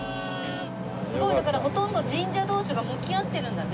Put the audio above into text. すごい！だからほとんど神社同士が向き合ってるんだね。